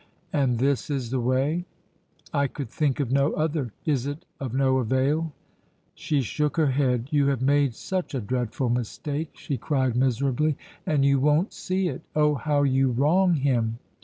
"And this is the way?" "I could think of no other. Is it of no avail?" She shook her head. "You have made such a dreadful mistake," she cried miserably, "and you won't see it. Oh, how you wrong him!